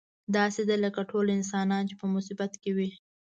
داسې ده لکه ټول انسانان چې په مصیبت کې وي.